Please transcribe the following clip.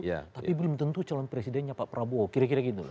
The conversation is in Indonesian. tapi belum tentu calon presidennya pak prabowo kira kira gitu